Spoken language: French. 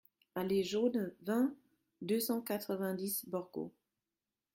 Allée Jaune, vingt, deux cent quatre-vingt-dix Borgo